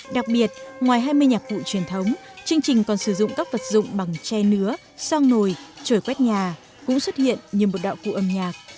đặc biệt ngoài hai mươi nhạc cụ truyền thống chương trình còn sử dụng các vật dụng bằng che nứa son nồi quét nhà cũng xuất hiện như một đạo cụ âm nhạc